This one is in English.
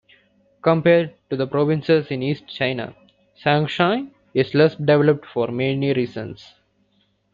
Compared to the provinces in east China, Shanxi is less developed for many reasons.